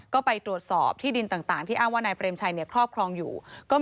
ก็ไปตรวจสอบที่ดินต่างที่อ้างว่านายเปรมชัยครอบครองอยู่